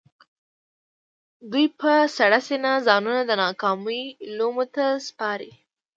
دوی په سړه سينه ځانونه د ناکامۍ لومو ته سپاري.